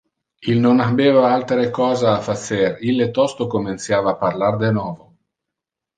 Il non habeva altere cosa a facer, ille tosto comenciava a parlar de novo.